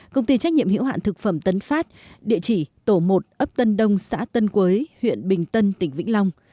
công ty trách nhiệm hiểu hạn thực phẩm tấn phát địa chỉ tổ một ấp tân đông xã tân quế huyện bình tân tỉnh vĩnh long